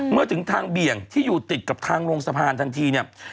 เมื่อถึงทางเบียงที่อยู่ติดกับลงสะพานทันที